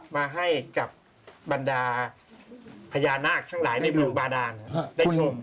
มาให้กับบรรดาพญานาคทั้งหลายในเมืองบาดานได้ชม